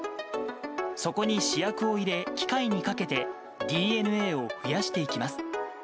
そこに試薬を入れ、機械にかけて、ＤＮＡを増やしていきます。